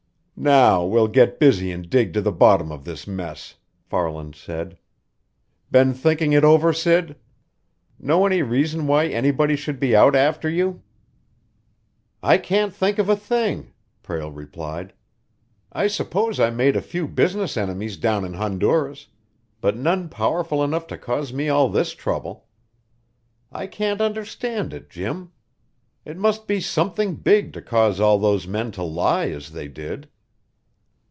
"Now we'll get busy and dig to the bottom of this mess," Farland said. "Been thinking it over, Sid? Know any reason why anybody should be out after you?" "I can't think of a thing," Prale replied. "I suppose I made a few business enemies down in Honduras, but none powerful enough to cause me all this trouble. I can't understand it, Jim. It must be something big to cause all those men to lie as they did."